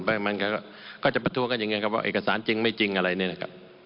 เพราะฉะนั้นก็จะประทั่วกันอย่างเงี้ยครับว่าเอกสารจริงไม่จริงอะไรเนี่ยนะครับ